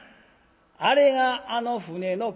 「あれがあの船の『キャ』や」。